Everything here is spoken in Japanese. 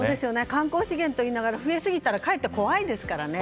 観光資源といいながら増えすぎたら怖いですからね。